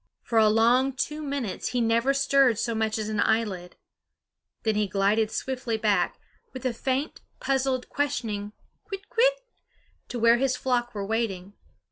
For a long two minutes he never stirred so much as an eyelid. Then he glided swiftly back, with a faint, puzzled, questioning kwit kwit? to where his flock were waiting.